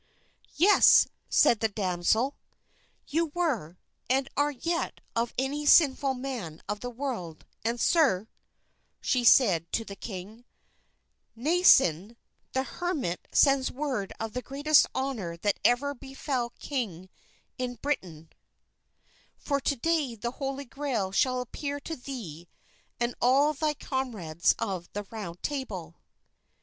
"Yes," said the damsel, "you were, and are yet of any sinful man of the world: and, Sir," she said to the king, "Nacien, the hermit, sends word of the greatest honor that ever befell king in Britain, for to day the Holy Grail shall appear to thee and all thy comrades of the Round Table."